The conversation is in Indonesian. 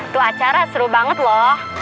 itu acara seru banget loh